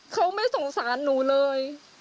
เขาไม่สงสารหนูเลย